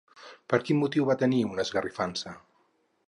Per quin motiu va tenir una esgarrifança?